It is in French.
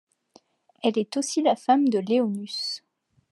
Elle est aussi la femme de Léonus.